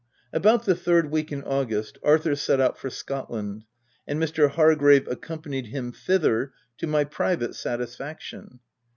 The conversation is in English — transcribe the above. About the third week in August, Arthur set out for Scotland, and Mr. Hargrave accom panied him thither, to ray private satisfaction.